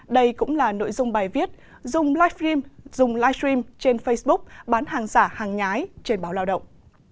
đây cũng là nội dung bài viết dùng live stream dùng livestream trên facebook bán hàng giả hàng nhái trên báo lao động